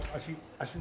足の。